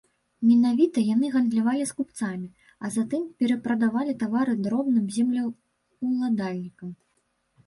Менавіта яны гандлявалі з купцамі, а затым перапрадавалі тавары дробным землеўладальнікам.